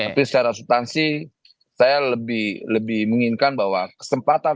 tapi secara subtansi saya lebih menginginkan bahwa kesempatan